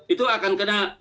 itu akan kena